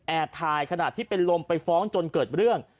ถ่ายขณะที่เป็นลมไปฟ้องจนเกิดเรื่อง